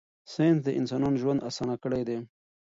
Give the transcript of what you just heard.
ساینس د انسانانو ژوند اسانه کړی دی.